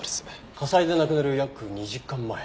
火災で亡くなる約２時間前。